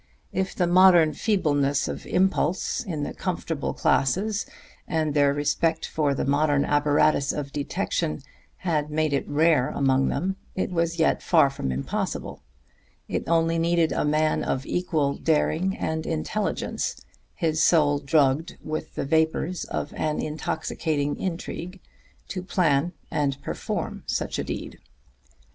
If the modern feebleness of impulse in the comfortable classes, and their respect for the modern apparatus of detection, had made it rare among them, it was yet far from impossible; it only needed a man of equal daring and intelligence, his soul drugged with the vapors of an intoxicating intrigue, to plan and perform such a deed.